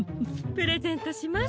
プレゼントします。